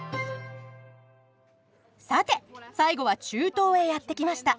さて最後は中東へやって来ました！